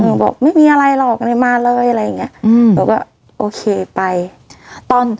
หนูบอกไม่มีอะไรหรอกมาเลยอะไรอย่างเงี้ยอืมแล้วก็ไปตอน